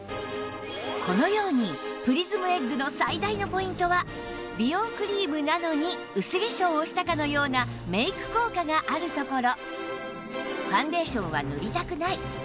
このようにプリズムエッグの最大のポイントは美容クリームなのに薄化粧をしたかのようなメイク効果があるところ